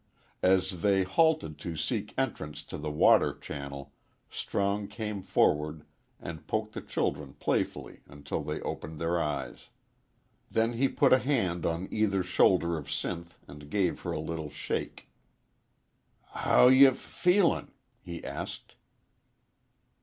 As they halted to seek entrance to the water channel Strong came forward and poked the children playfully until they opened their eyes. Then he put a hand on either shoulder of Sinth and gave her a little shake. "How ye f feelin'?" he asked.